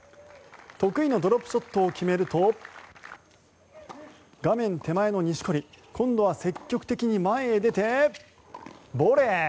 得意のドロップショットを決めると画面手前の錦織今度は積極的に前へ出てボレー。